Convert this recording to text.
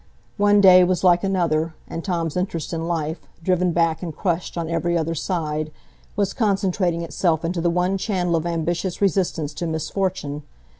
One day was like another; and Tom's interest in life, driven back and crushed on every other side, was concentrating itself into the one channel of ambitious resistance to misfortune.